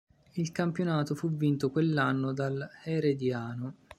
Il campionato fu vinto quell'anno dall'Herediano.